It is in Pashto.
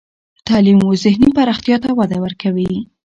تعلیم و ذهني پراختیا ته وده ورکوي.